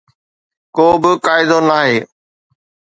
ڪو به قاعدو ناهي.